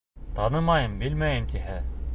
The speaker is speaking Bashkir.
Танымайым, белмәйем тиһә.